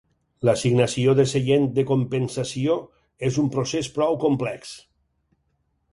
L'assignació de seient de compensació és un procés prou complex.